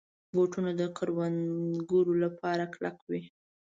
بوټونه د کروندګرو لپاره کلک وي.